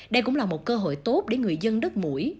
đây cũng là một cơ hội tốt để người dân đất mũi